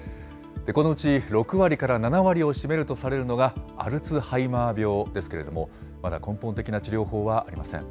このうち６割から７割を占めるとされるのが、アルツハイマー病ですけれども、まだ根本的な治療法はありません。